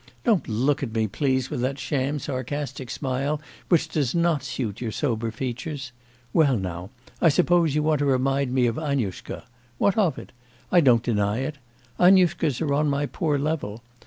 Don't look at me, please, with that sham sarcastic smile, which does not suit your sober features. Well, now, I suppose you want to remind me of Annushka. What of it? I don't deny it. Annushkas are on my poor level.